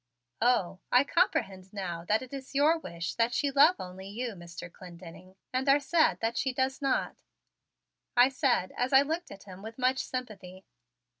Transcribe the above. "Oh, I comprehend now that it is your wish that she love only you, Mr. Clendenning, and are sad that she does not," I said as I looked at him with much sympathy.